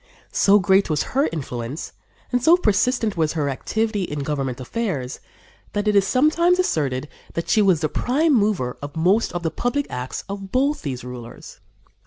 So great was her influence and so persistent was her activity in government affairs, that it is sometimes asserted that she was the prime mover of most of the public acts of both these rulers.